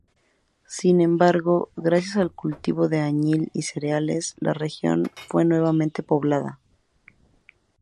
Sin embargo, gracias al cultivo del añil y cereales, la región fue nuevamente poblada.